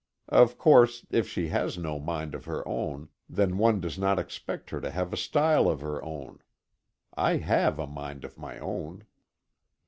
Of course, if she has no mind of her own, then one does not expect her to have a style of her own. I have a mind of my own.